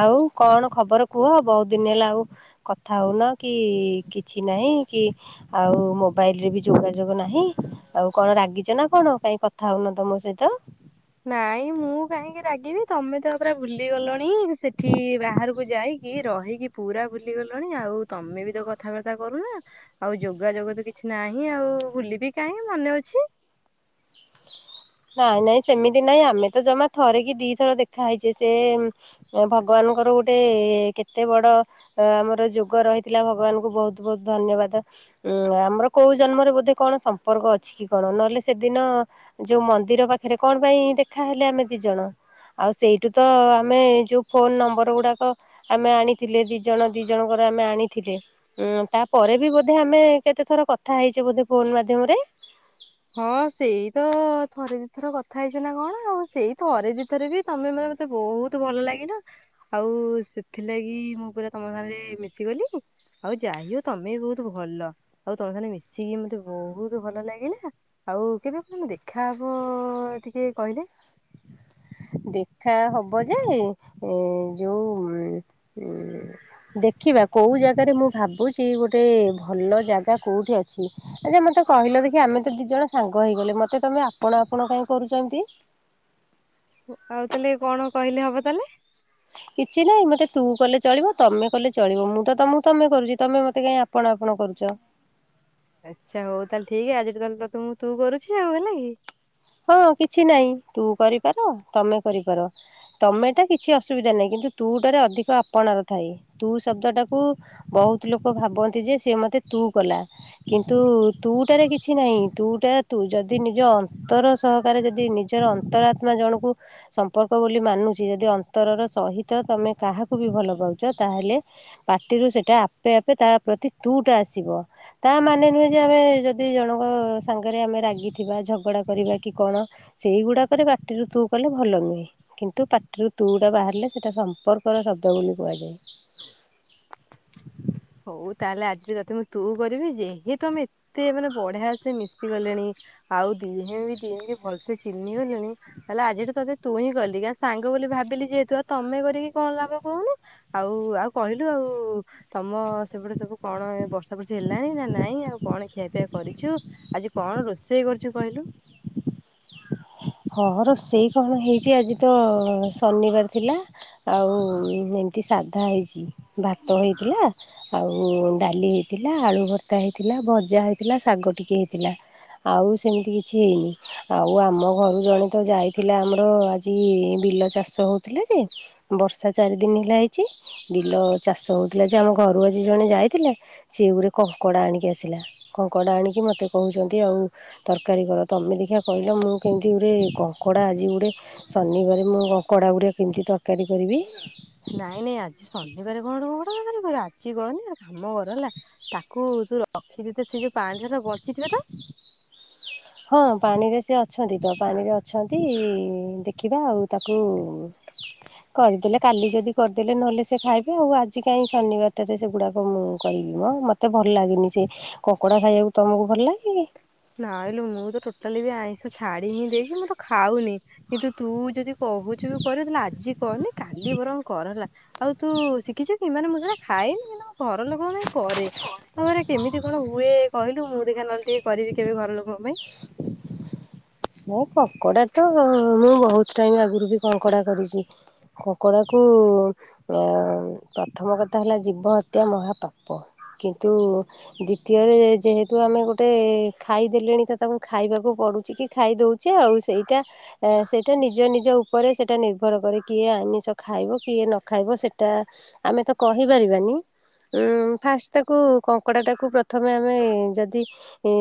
ଆଉ କଣ ଖବର କୁହ? ବହୁତ ଦିନ ହେଲା ଆଉ କଥା ହଉନ, କି କିଛି ନାହିଁ କି ଆଉ ମୋବାଇଲରେ ବି ଯୋଗାଯୋଗ ନାହିଁ। ଆଉ କଣ ରାଗିଛ ନା କଣ? କାଇଁ କଥା ହଉନ ତ ମୋ ସହିତ। ନାଇଁ ମୁଁ କାହିଁକି ରାଗିବି? ତମେ ତ ପୁରା ଭୁଲି ଗଲଣି। ସେଠି ବାହାରକୁ ଯାଇକି ଏତେ ରହିକି ପୁରା ଭୁଲି ଗଲଣି ଆଉ। ତମେ ବି ତ କଥାବାର୍ତ୍ତା କରୁନ। ଆଉ ଯୋଗାଯୋଗ ତ କିଛି ନାହିଁ ଆଉ। ଭୁଲିବି କାହିଁ ମନେ ଅଛି। ନାଇଁ ନାଇଁ ସେମିତି ନାଇଁ, ଆମେ ତ ଜମା ଥରେ କିି ଦିଥର ଦେଖା ହେଇଛେ। ସେ ଏ ଭଗବାନଙ୍କର ଗୋଟେ ଟେ କେତେ ବଡ଼ ଅ ଆମର ଯୋଗ ରହିଥିଲା, ଭଗବାନଙ୍କୁ ବହୁତ ବହୁତ ଧନ୍ୟବାଦ। ଉଁ ଆମର କୋଉ ଜନ୍ମରେ ବୋଧେ କଣ ସମ୍ପର୍କ ଅଛି କି କଣ? ନହେଲେ ସେଦିନ ଯୋଉ ମନ୍ଦିର ପାଖରେ କଣ ପାଇଁ ଦେଖାହଲେ ଆମେ ଦି ଜଣ? ଆଉ ସେଇଠୁ ତ ଆମେ ଯୋଉ ଫୋନ ନମ୍ବର ଗୁଡ଼ାକ ଆମେ ଆଣି ଥିଲେ, ଦି ଜଣ ଦି ଜଣଙ୍କର ଆମେ ଆଣିଥିଲେ। ଉଁ ତାପରେ ବି ବୋଧେ ଆମେ କେତେ ଥର କଥା ହେଇଛେ ବୋଧେ ଫୋନ ମାଧ୍ୟମରେ? ହଁ ସେଇ ତ ଥରେ ଦିଥର କଥା ହେଇଛେ ନା କଣ ଆଉ? ସେଇ ଥରେ ଦି ଥରେ ବି ତମେ ମ ମତେ ବହୁତ ଭଲ ଲାଗିଲ। ଆଉ ସେଥିଲାଗି ମୁଁ ପୁରା ତମ ସାଙ୍ଗରେ ମିଶିଗଲି। ଆଉ ଯାହି ହଉ ତମେ ବି ବହୁତ ଭଲ। ଆଉ ତମ ସାଙ୍ଗେରେ ମିଶିକି ମତେ ବହୁତ ଭଲ ଲାଗିଲା। ଆଉ କେବେ କଣ ଆମ ଦେଖାହବ ଟିକେ କହିଲେ? ଦେଖା ହବ ଯେ ଏଁ ଯୋଉ- ଦେଖିବା କୋଉ ଜାଗାରେ ମୁଁ ଭାବୁଛି ଗୋଟେ ଭଲ ଜାଗା କୋଉଠି ଅଛି? ଆଜ୍ଞା ମୋତେ କହିଲ ଦେଖି ଆମେ ତ ଦି ଜଣ ସାଙ୍ଗ ହେଇଇଗଲେ। ମୋତେ ତମେ ଆପଣ ଆପଣ କାହିଁକି କରୁଛନ୍ତି? ଆଉ ତାହେଲେ କଣ କହିଲେ ହବ ତାହେଲେ? କିଛି ନାହିଁ ମୋତେ ତୁ କଲେ ଚଳିବ। ତମେ କଲେ ଚଳିବ। ମୁଁ ତମକୁ ତମେ କରୁଛି ତମେ ମୋତେ କାଇଁ ଆପ ଆପଣ ଆପଣ କରୁଚ। ଆଚ୍ଛା ହଉ ତାହେଲେ ଠିକ। ଆଜିଠୁ ତାହେଲେ ତତେ ମୁଁ ତୁ କରୁଛି ଆଉ, ହେଲା କି? ହଁ କିଛି ନାଇଁ। ତୁ କରିପାର, ତମେ କରିପାର। ତମେଟା କିଛି ଅସୁବିଧା ନାଇଁ। କିନ୍ତୁ ତୁ ଟାରେ ଅଧିକ ଆପଣାର ଥାଏ। ତୁ ଶବ୍ଦଟାକୁ ବହୁତ ଲୋକ ଭାବନ୍ତି ଯେ ସେ ମତେ ତୁ କଲା। କିନ୍ତୁ ତୁଟାରେ କିଛି ନାହିଁ। ତୁଟା ତୁ ଯଦି ନିଜ ଅନ୍ତର ସହକାରେ ଯଦି ନିଜର ଅନ୍ତରାତ୍ମା ଜଣକୁ ସମ୍ପର୍କ ବୋଲି ମାନୁଛି। ଯଦି ଅନ୍ତରର ସହିତ ତମେ କାହାକୁ ବି ଭଲ ପାଉଛ ତାହେଲେ ପାଟିରୁ ସେଇଟା ଆପେ ଆପେ ତା ପ୍ରତି ତୁ ଟା ଆସିବ ତା ମାନେ ନୁହେଁ ଯେ ଆମେ ଯଦି ଜଣଙ୍କ ସାଙ୍ଗରେ ଆମେ ରାଗିଥିବା ଝଗଡ଼ା କରିବା କି କଣ ସେଇଗୁଡ଼ାକରେ ପାଟିରୁ ତୁ କଲେ ଭଲ ନୁହେଁ କିନ୍ତୁ ପାଟିରୁ ତୁ ଟା ବାହାରିଲେ ସେଇଟା ସମ୍ପର୍କର ଶବ୍ଦ ବୋଲି କୁହାଯାଏ। ହଉ ତାହେଲେ ଆଜିଠୁ ତତେ ମୁଁ ତୁ କରିବି ଯେ। ଯେହେତୁ ଆମେ ଏତେ ମାନେ ବଢିଆ ସେ ମିଶିଗଲେଣି। ଆଉ ଦିଦିନି ଏବେ ଦେଖେ ଭଲସେ ଚିହ୍ନିଗଲେଣି ତାହେଲେ ଆଜିଠୁ ତତେ ତୁ ହିଁ କଲି। କା ସାଙ୍ଗ ବୋଲି ଭାବିଲି ଯେହେତୁ ଆଉ ତମେ କରିକି କଣ ଲାଭ କହୁନୁ? ଆଉ ଆଉ କହିଲୁ ଆଉ ତମ ସେପଟେ ସବୁ କଣ ବର୍ଷା ବର୍ଷି ହେଲାଣି ନା ନାଇଁ? ଆଉ କଣ ଖିଆପିଆ କରିଛୁ? ଆଜି କଣ ରୋଷେଇ କରୁଛୁ କହିଲୁ? ହଁ ମ ରୋଷେଇ କଣ ହେଇଛି। ଆଜି ତ ଶନିବାର ଥିଲା। ଆଉ ଏମତି ସାଧା ହେଇଛି। ଭାତ ହେଇଥିଲା ଆଉ ଡାଲି ହେଇଥିଲା। ଆଳୁ ଭର୍ତ୍ତା ହେଇଥିଲା। ଭଜା ହେଇଥିଲା। ଶାଗ ଟିକଏ ହେଇଥିଲା। ଆଉ ସେମିତି କିଛି ହେଇନି। ଆଉ ଆମ ଘରୁ ଜଣେ ତ ଯାଇଥିଲା। ଆମର ଆଜି ବିଲ ଚାଷ ହେଉଥିଲା ଯେ। ବର୍ଷା ଚାରି ଦିନ ହେଲା ହେଇଛି। ବିଲ ଚାଷ ହଉଥିଲା ଯେ ଆମ ଘରୁ ଆଜି ଜଣେ ଯାଇଥିଲା ସିଏ ଗୋଟେ କଙ୍କଡ଼ା ଆଣିକି ଆସିଲା। କଙ୍କଡ଼ା ଆଣିକି ମୋତେ କହୁଛନ୍ତି ଆଉ ତରକାରୀ କର। ତମେ ଦେଖିିବା କହିଲ ମୁଁ କେମି ସେ ଗୋଟେ କଙ୍କଡ଼ା ଆଜି ଗୋଟେ ଶନିବାରେ ମୁଁ ଘରେ ମୁଁ କଙ୍କଡ଼ା ଗୁଡ଼ା କେମିତି ତରକାରୀ କରିବି ନାଇଁ ନାଇଁ ଆଜି ଶନିବାର କଣ ଗୋଟେ କଙ୍କଡ଼ା ତରକାରୀକରିବୁ। ଆଜି କରନି ଗୋଟେ କାମ କର ହେଲା ତାକୁ ଯୋଉ ରଖିଦେଇଛ ସେ ଯୋଉ ପାଣି ଥିଲା ତ ବଞ୍ଚିଥିବେ ତ? ହଁ ପାଣିରେ ସେ ଅ ଅଛନ୍ତି ତ ପାଣିରେ ଅଛନ୍ତି। ଦେଖିବା ଆଉ ତାକୁ କରିଦେଲେ କାଲି ଯଦି କରିଦେଲେ ନହେଲେ ସେ ଖାଇଵେ। ଆଉ ଆଜି କାହିଁ ଶନିବାରଟାରେ ସେଗୁଡ଼ାକ ମୁଁ କରିବି ମ ମୋତେ ଭଲ ଲାଗେନି ସେ କଙ୍କଡ଼ା ଖାଇବାକୁ ତମକୁ ଭଲ ଲାଗେ? ନାଇଁଲୋ ମୁଁ ତ ଟୋଟାଲି ବି ଆଇଁଷ ଛାଡ଼ି ହିଁ ଦେଇଛି। ମୁଁ ତ ଖାଉନି। କିନ୍ତୁ ତୁ ଯଦି କହୁଛୁ ଯୋଉ କରିବୁ ତାହେଲ ଆଜି କରନି କାଲି ବରଂ କର ହେଲା। ଆଉ ତୁ ଶିଖିଛୁ କି? ମାନେ ମୁଁ ସେଗୁରା ଖାଏନି କିନ୍ତୁ ଘର ଲୋକ ପାଇଁ କରେ। ହଉରେ କେମିତି କଣ ହୁଏ କହିଲୁ? ମୁଁ ଦେଖେ ନହେଲେ ଟିକେ କରିବି କେବେ ଘର ଲୋକଙ୍କ ପାଇଁ। ମୁଁ କଙ୍କଡ଼ା ତ ମୁଁ ବହୁତ ଟାଇମ ଆଗରୁ ବି କଙ୍କଡ଼ା କରିଛି। କକଡ଼ାକୁ ଅ ପ୍ରଥମ କଥା ହେଲା? ଜୀବ ହତ୍ୟା ମହାପାପ। କିନ୍ତୁ ଦ୍ଵିତୀୟରେ ଯେହେତୁ ଆମେ ଗୋଟେ ଖାଇଦେଲେଣି ତ ତାକୁ ଖାଇବାକୁ ପଡୁଛି କି ଖାଇଦଉଛେ ଆଉ ସେଇଟା ଅ ସେଇଟା ନିଜ ନିଜ ଉପରେ ସେଇଟା ନିର୍ଭର କରେ କିଏ ଆମିଷ ଖାଇବ କିଏ ନ ଖାଇବ ସେଇଟା ଆମେ ତ କହିପାରିବାନି ଫାଷ୍ଟ ତାକୁ କଙ୍କଡ଼ାଟାକୁ ପ୍ରଥମେ ଆମେ ଯଦି ଏ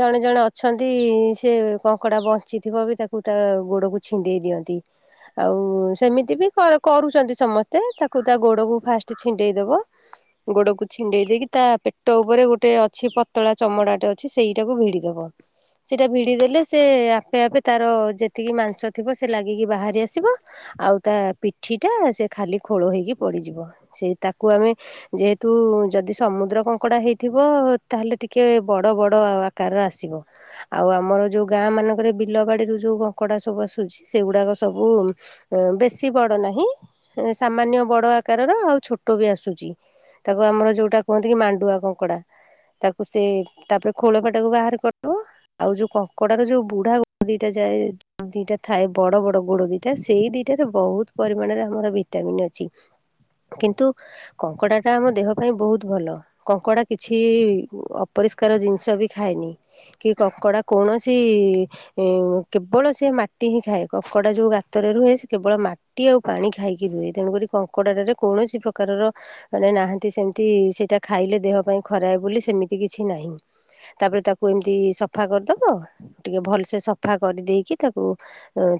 ଜଣେ ଜଣେ ଅଛନ୍ତି ସେ କଙ୍କଡା ବଞ୍ଚିଥିବ ବି ତାକୁ ତା ଗୋଡ଼ କୁ ଛିଣ୍ଡେଇ ଦିଅନ୍ତି। ଆଉ ସେମିତି ବି କରୁଛନ୍ତି ସମସ୍ତେ ତାକୁ ତା ଗୋଡ଼କୁ ଫାଷ୍ଟ ଛିଣ୍ଡେଇଦବ। ଗୋଡ଼କୁ ଛିଣ୍ଡେଇ ଦେଇକି ତା ପେଟ ଉପରେ ଗୋଟେ ଅଛି ପତଳା ଚମଡ଼ାଟେ ଅଛି। ସେଇଟାକୁ ଭିଡ଼ିଦବ। ସେଟା ଭିଡି ଦେଲେ ସେ ଆପେ ଆପେ ତାର ଯେତିକି ମାଂସ ଥିବ ସେ ଲାଗିକି ବାହାରି ଆସିବ। ଆଉ ତା ପିଠିଟା ସେ ଖାଲି ଖୋଳ ହେଇକି ପଡିଯିବ ସେ ତାକୁ ଆମେ ଯେହେତୁ ଯଦି ସମୁଦ୍ର କଙ୍କଡା ହେଇଥିବ ତାହେଲେ ଟିକେ ବଡ ବଡ ଆକାରରେ ଆସିବ। [inaudible] ଆଉ ଆମର ଯୋଉ ଗାଁ ମାନଙ୍କରେ ବିଲବାଡ଼ିରୁ ଯୋଉ କଙ୍କଡ଼ା ସବୁ ଆସୁଛି ସେଗୁଡ଼ାକ ସବୁ ବେଶୀ ବଡ ନାହିଁ ସାମାନ୍ୟ ବଡ ଆକାରର ଆଉ ଛୋଟ ବି ଆସୁଛି। ତାକୁ ଆମର ଯୋଉଟା କୁହନ୍ତି କି ମାଣ୍ଡୁଆ କଙ୍କଡା। ତାକୁ ସେ ତାପରେ ଖୋଳ ପାଟାକୁ ବାହାର କରିଦବ। ଆଉ ଯୋଉ କଙ୍କଡ଼ା ର ଯୋଉ ବୁଢା ଦିଟା ଯାଏ। ଦିଟା ଥାଏ ବଡ ବଡ ଗୋଡ ଦିଟା ସେଇ ଦିଟାରେ ବହୁତ ପରିମାଣରେ ଆମର ଭିଟାମନ୍ ଅଛି। କିନ୍ତୁ କଙ୍କଡ଼ାଟା ଆମ ଦେହ ପାଇଁ ବହୁତ ଭଲ। କଙ୍କଡା କିଛି ଅପରିଷ୍କାର ଜିନିଷ ବି ଖାଏନି କି କକଡ଼ା କୌଣସି କେବଳ ସେ ମାଟି ହିଁ ଖାଏ କକଡା ଯୋଉ ଗାତରେ ରୁହେ ସେ କେବଳ ମା ଟି ଆଉ ପାଣି ଖାଇକି ରୁହେ ତେଣୁକରି କଙ୍କଡ଼ାଟାରେ କୌଣସି ପ୍ରକାରର ମାନେ ନାହାନ୍ତି ସେମିତି ସେଟା ଖାଇଲେ ଦେହ ପାଇଁ ଖରାପ ବୋଲି ସେମିତି କିଛି ନାହିଁ। ତାପରେ ତାକୁ ଏମିତି ସଫା କରିଦବ ଟିକେ ଭଲସେ ସଫା କରି ଦେଇେଇକି ତାକୁ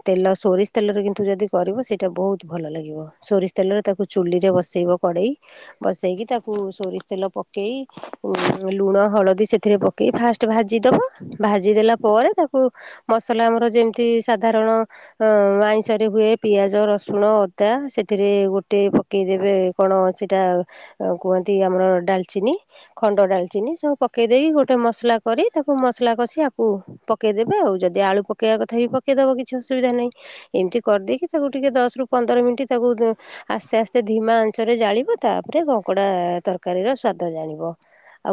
ତେଲ ସୋରିଷ ତେଲରେ କିନ୍ତୁ ଯଦି କରିବ ସେଇଟା ବହୁତ ଭଲ ଲାଗିବ। ସୋରିଷ ତେଲରେ ତାକୁ ଚୁଲି ରେ ବସେଇବ କଡ଼େଇ। ବସେଇକି ତାକୁ ସୋରିଷ ତେଲ ପକେଇ ଉ ଲୁଣ ହଳଦୀ ସେଥିରେ କି ଫାଷ୍ଟ ଭାଜିଦବ ଭାଜିଦେଲା ପରେ ତାକୁ ମସଲା ଆମର ଯେମିତି ସାଧାରଣ ଅ ଆଇଁଷ ରେ ହୁଏ ପିଆଜ ରସୁଣ ଅଦା ସେଥିରେ ଗୋଟେ ପକେଇ ଦେବେ କଣ ସେଇଟା କୁହନ୍ତି ଆମର ଡାଲଚିନି। ଖଣ୍ଡ ଡାଲଚିନି ସବୁ ପକେଇ ଦେଇେଇକି ଗୋଟେ ମସଲା କରି ତାକୁ ମସଲା କଷି ଆକୁ ପକେଇଦେବେ ଆଉ ଯଦି ଆଳୁ ପକେଇବା କଥା ବି ପକେଇଦବ କିଛି ଅସୁବିଧା ନାହିଁ। ଏମିତି କରିଦେଇକି ତାକୁ ଟିକେ ଦଶ ରୁ ପନ୍ଦର ମିନିଟ୍ ତାକୁ ଆସ୍ତେ ଆସ୍ତେ ଧିମା ଚରେ ଜାଳିବ ତାପରେ କଙ୍କଡା ତରକାରୀର ସ୍ଵାଦ ଜାଣିବ।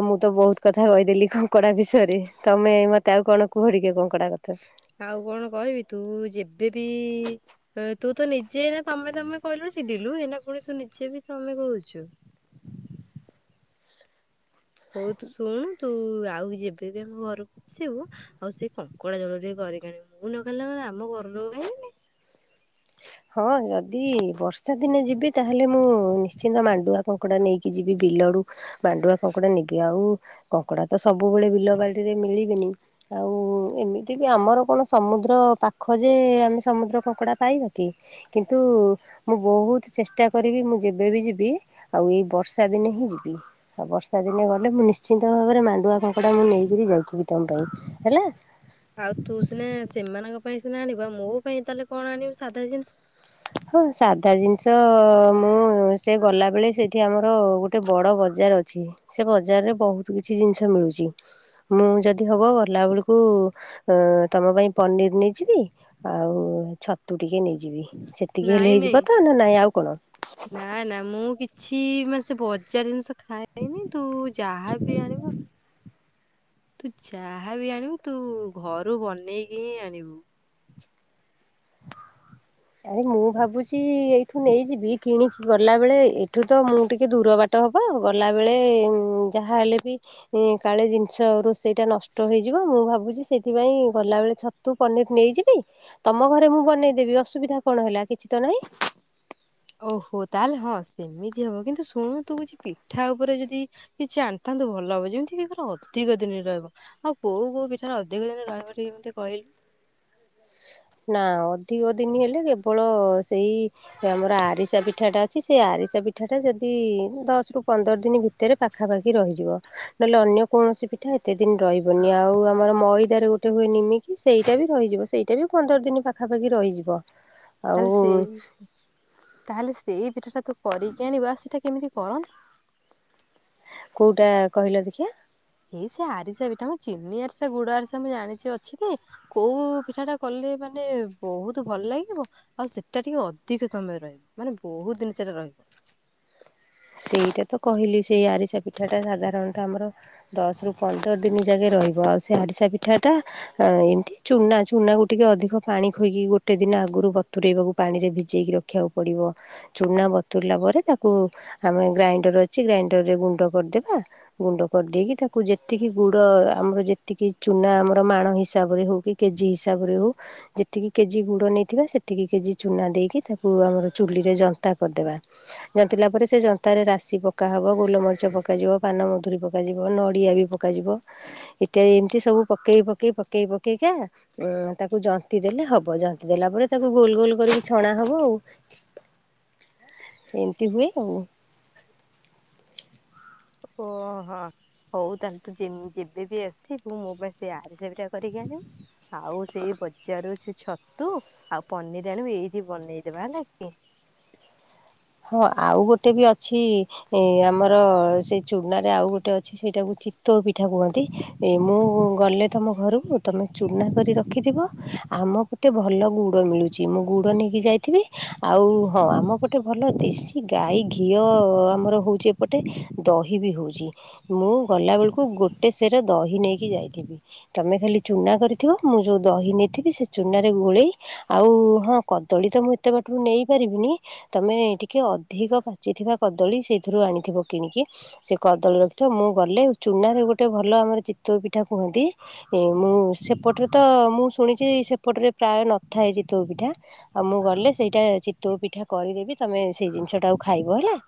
ଆଉ ମୁଁ ତ ବହୁତ କଥା କହିଦେଲି କଙ୍କଡା ବିଷୟରେ ତମେ ମତେ ଆଉ କଣ କୁହ ଟିକ କଙ୍କଡା କଥା? ଆଉ କଣ କହିବି ତୁ ଯେବେବି ତୁ ତ ନିଜେ ତମେ ତମେ କହିଲୁଣି ଚିଡିଲୁ ଏଇନା ପୁଣି ତୁ ନିଜେ ବି ତମେ କହୁଛୁ। ହଉ ତୁ ଶୁଣୁ ତୁ ଆଉ ଯେବେ ବି ଆମ ଘରକୁ ଆସିବୁ ଆଉ ସେ କଙ୍କଡ଼ା ଜୋଳ ଟିକେ କରିକି ଆଣିବ ମୁଁ ନ ଖାଇଲେ ଆମ ଘର ଲୋକ ଖାଇବେନି। ହଁ ଯଦି ବର୍ଷାଦିନେ ଯିବି ତାହେଲେ ମୁଁ ନିଶ୍ଚିନ୍ତ ମାଣ୍ଡୁଆ କ ଙ୍କଡା ନେଇକି ଯିବି ବିଲଡୁ ମାଣ୍ଡୁଆ କଙ୍କଡା ନେଇକି ଆଉ କଙ୍କଡା ତ ସବୁବେଳେ ବିଲ ବାଡ଼ିରେ ମିଳିବେନି ଆଉ ଏମିତି ବି ଆମର କଣ ସମୁଦ୍ର ପାଖ ଯେ ଆମେ ସମୁଦ୍ର କଙ୍କଡା ପାଇବା। କି କିନ୍ତୁ ମୁଁ ବହୁତ ଚେଷ୍ଟା କରିବି ମୁଁ ଯେବେବି ଯିବି ଆଉ ଏଇ ବର୍ଷା ଦିନେ ହିଁ ଯିବି ଆଉ ବର୍ଷା ଦିନେ ଗଲେ ମୁଁ ନିଶ୍ଚିନ୍ତ ଭାବରେ ମା ଣ୍ଡୁଆ କଙ୍କଡ଼ା ମୁଁ ନେଇକିରି ଯାଇଥିବି ତମ ପାଇଁ ହେଲା। ଏ ସେମାନଙ୍କ ପାଇଁ ସିନା ଆଣିବା ମୋ ପାଇଁ ତାହେଲେ କଣ ଆଣିବ ସାଧା ଜିନିଷ ହଁ ସାଧା ଜିନିଷ ମୁଁ ସେ ଗଲାବେଳେ ସେଠି ଆମର ଗୋ ଟେ ବଡ ବଜାର ଅଛି ସେ ବଜାରରେ ବହୁତ କିଛି ଜିନିଷ ମିଳୁଛି। ମୁଁ ଯଦି ହବ ଗଲାବେେଳକୁ ତମ ପାଇଁ ପନିର ନେଇଯିବି। ଆଉ ଛତୁଟିକେ ନେଇଯିବି ସେତିକି ନାଇଁ ହେଲେ ନାଇଁ ହେଇଯିବ ତ ନା ନାଇଁ ଆଉ କଣ? ନା ନା ମୁଁ କିଛି ମାନସେ ବଜାର ଜିନିଷ ଖାଏନି ତୁ ଯାହାବି ଆଣିବୁ ତୁ ଯାହାବି ଆଣିବୁ ତୁ ଘରୁ ବନେଇକି ହିଁ ଆଣିବୁ। ଆରେ ମୁଁ ଭାବୁଛି ଏଇଠୁ ନେଇଯିବି କିଣିକି ଗଲା ବେଳେ ଏଠୁ ତ ମୁଁ ଟିକେ ଦୂର ବା ଟ ହବ ଗଲାବେଳେ ଉଁ ଯାହାହେଲେ ବି କାଳେ ଜିନିଷ ରୋଷେଇଟା ନଷ୍ଟ ହେଇଯିବ ମୁଁ ଭାବୁଛି ସେଥିପାଇଁ ଗଲାବେଳେ ଛ ତୁ ପନିର ନେଇଯିବି ତମ ଘରେ ମୁଁ ବନେଇଦେବି ଅସୁବିଧା କଣ ହେଲା କିଛି ତ ନାହିଁ। ଓହୋ ତାହେଲେ ହଁ ସେମିତି ହବ କିନ୍ତୁ ଶୁଣୁ ତୁ କିଛି ପିଠା ଉପରେ ଯଦି କିଛି ଆଣିଥାନ୍ତୁ ଭଲ ହବ ଯେମିତି କି ପୁରା ଅଧିକ ଦିନ ରହିବ। ଆଉ କୋଉ କୋଉ ପିଠାରା ଅଧିକ ଦିନ ରହିବ ଟିକେ ମୋତେ କହିଲୁ? ନା ଅ ଅଧିକ ଦିନ ହେଲେ କେବଳ ସେଇ ଆମର ଆରିସା ପିଠାଟା ଅଛି ସେ ଆରିସା ପି ପିଠାଟା ଯଦି ଦଶ ରୁ ପନ୍ଦର ଦିନ ଭିତରେ ପାଖାପାଖି ରହିଯିବ ନହେଲେ ଅନ୍ୟ କୌଣସି ପିଠା ଏତେ ଦିନ ରହିବନି ଆଉ ଆମର ମଇଦାରେ ଗୋଟେ ହୁଏ ନିମିକି ସେଇଟା ବି ରହିଯିବ ସେଇ ପନ୍ଦର ଦିନ ପାଖାପାଖି ରହିଯିବ। ଆଉ ତାହେଲେ ସେଇ ତାହେଲେ ସେଇ ପିଠାଟା ତୁ କରିକି ଆଣିବା ସେଟା କେମିତି କରନ୍ତି? କଉଟା କହିଲ ଦେଖିଆ? ଏଇ ସେ ଆରିସା ପିଠା ମ ଚିନି ଆରିସା ଗୁଡ ଆରିସା ମୁଁ ଜାଣିଛି ଅଛି ଯେ କୋଉ ପିଠାଟା କଲେ ମାନେ ବହୁତ ଭଲ ଲାଗିବ। ଆଉ ସେଟା ଟିକେ ଅଧିକ ସମୟ ରହିବ ମାନେ ବହୁତ ଦିନ ସେଟା ରହିବ। ସେଇଟା ତ କହିଲି ସେଇ ଆରିସା ପିଠାଟା ସାଧାରଣତଃ ଆମର ଦଶ ରୁ ପନ୍ଦର ଦିନ ଯାକେ ରହିବ ଆଉ ସେ ଆରିସା ପିଠାଟା ଅ ଏମିତି ଚୁନା ଚୁନାକୁ ଟିକେ ଅଧିକ ପାଣି ଖୋଇକି ଗୋଟେ ଦିନ ଆଗରୁ ବତୁରେଇବାକୁ ପାଣିରେ ଭିଜେଇକି ର ରଖିବାକୁ ପଡିବ ଚୁନା ବତୁରିଲା ପରେ ତାକୁ ଆମେ ଗ୍ରାଇଣ୍ଡର ଅଛି ଗ୍ରାଇଣ୍ଡରରେ ଗୁଣ୍ଡ କରିଦେବା ଗୁଣ୍ଡ କରିଦେଇକି ତାକୁ ଯେତିକି ଗୁଡ ଆମର ଯେତିକି ଚୁନା ଆମର ମାଣ ହିସାବରେ ହଉ କି କେଜି ହିସାବରେ ହଉ ଯେତିକି କେଜି ଗୁଡ ନେଇଥିବା ସେତିକି କେଜି ଚୁନା ଦେଇକି ତାକୁ ଆମର ଚୁଲିରେ ଯନ୍ତା କରିଦବା। ଜନ୍ତିଲା ପରେ ସେ ଜ ତାରେ ରାଶି ପକାହବ ଗୋଲମରିଚ ପକାଯିବ ପାନମଧୁରୀ ପକାଯିବ ନଡ଼ିଆ ବି ପକାଯିବ। ଏତା ଏମିତି ସବୁ ପକେଇ ପକେଇ ପକେଇ ପକେଇକା ଉଁ ତାକୁ ଜନ୍ତି ଦେଲେ ହବ ଜନ୍ତି ଦେଲା ପରେ ତାକୁ ଗୋଲ ଗୋଲ କରିକି ଛଣା ହବ ଆଉ। ଏମିତି ହୁଏ ଆଉ। ଓହୋ ହଉ ତାହେଲେ ତୁ ଯେବେବି ଆସିବୁ ମୋ ପାଇଁ ସେଇ ଆରିସା ପି ଆରିସା ପିଠା କରିକି ଆଣିବୁ ଆଉ ସେଇ ବଜାରରୁ ସେ ଛ ଛତୁ ଆଉ ପନିରି ଆଣିବୁ ଏଇଠି ବନେଇଦବା ହେଲା କି। ହଁ ଆଉ ଗୋଟେ ବି ଅଛି ଏ ଆମର ସେ ଚୁନାରେ ଆଉ ଗୋଟେ ଅଛି ସେଇଟାକୁ ଚିତଉ ପିଠା କୁହନ୍ତି। ଏ ମୁଁ ଗଲେ ତମ ଘରକୁ ତମେ ଚୁନା କରି ରଖିଥିବ ଆମକୁ ଗୋଟେ ଭଲ ଗୁଡ଼ ମିଳୁଛି ମୁଁ ଗୁଡ଼ ନେଇକି ଯାଇଥିବି ଆଉ ହଁ ଆମ ପଟେ ଭଲ ଦେଶୀ ଗାଈ ଘିଅ ଆମର ହେଉଛି ଏପଟେ ଦହି ବି ହଉଛି। ମୁଁ ଗଲା ବେଳକୁ ଗୋଟେ ସେରେ ଦହି ନେଇକି ଯାଇଥିବି। ତମେ ଖାଲି ଚୁନା କରିଥିବ ମୁଁ ଯଉ ଦହି ନେଇଥିବି ସେ ଚୁନାରେ ଗୋଳେଇ ଆଉ ହଁ କଦଳୀ ତ ମୁଁ ଏତେ ବାଟରୁ ନେଇ ପାରିବିନି। ତମେ ଟିକେ ଅଧିକ ପାଚିଥିବା କଦଳୀ ସେଇଥିରୁ ଆଣିଥିବ କିଣିକି ସେ କଦଳୀ ରଖିଥିବ ମୁଁ ଗଲେ ଚୁନାରେ ଗୋଟେ ଭଲ ଆମର ଚିତଉ ପିଠା କୁହନ୍ତି ଏ ମୁଁ ସେପଟରେ ତ ମୁଁ ଶୁଣିଛି ସେପଟରେ ପ୍ରାୟ ନଥାଏ ଚିତଉ ପିଠା ଆଉ ମୁଁ ଗଲେ ସେଇଟା ଚିତଉ ପିଠା କରିଦେବି ତମେ ସେଇ ଜିନିଷ ଟାକୁ ଖାଇବ ହେଲା।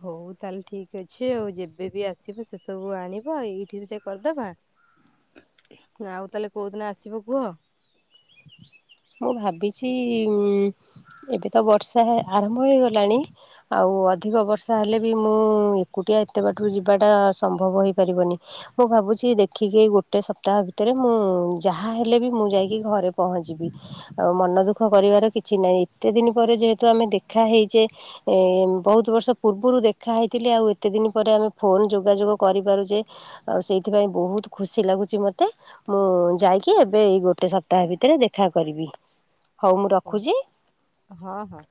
ହଉ ତାହେଲେ ଠିକି ଅଛି ଆଉ ଯେବେବି ଆସିବ ସେସବୁ ଆଣିବ ଏଇଠି ବି ସେ କରିଦବା ଆଉ ତାହେଲେ କୋଉଦିନ ଆସିବ କୁହ। ମୁଁ ଭାବିଛି ଏବେ ତ ବର୍ଷା ଆରମ୍ଭ ହେଇଗଲାଣି। ଆଉ ଅଧିକ ବର୍ଷା ହେଲେ ବି ମୁଁ ଏକୁଟିଆ ଏତେ ବାଟୁରୁ ଯିବାଟା ସମ୍ଭବ ହେଇପାରିବନି। ମୁଁ ଭାବୁଛି ଦେଖିକି ଗୋଟେ ସପ୍ତାହ ଭିତରେ ମୁଁ ଯାହା ହେଲେ ବି ମୁଁ ଯାଇକି ଘରେ ପହଞ୍ଚିବି। ଆଉ ମନ ଦୁଃଖ କରିବାର କିଛି ନାହିଁ ଏତେ ଦିନି ପରେ ଯେହେତୁ ଆମେ ଦେଖା ହେଇଚେ ଏ ବହୁତ ବର୍ଷ ପୂର୍ବରୁ ଦେଖା ହେଇଥିଲି ଆଉ ଏତେ ଦିନ ପରେ ଆମେ ଫୋନ ଯୋଗାଯୋଗ କରିପାରୁଚେ ଆଉ ସେଇଥିପାଇଁ ବହୁତ ଖୁସି ଲାଗୁଛି ମତେ। ମୁଁ ଯାଇକି ଏବେ ଏଇ ଗୋଟେ ସପ୍ତାହ ଭିତରେ ଦେଖା କରିବି। ହଉ ମୁଁ ରଖୁଚି। ହଁ ହଁ।